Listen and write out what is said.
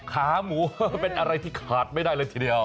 ขาหมูเป็นอะไรที่ขาดไม่ได้เลยทีเดียว